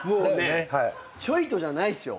ちょいとじゃないっすよ。